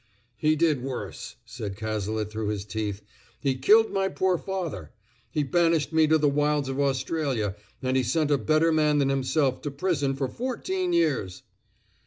"He did worse," said Cazalet through his teeth. "He killed my poor father; he banished me to the wilds of Australia; and he sent a better man than himself to prison for fourteen years!"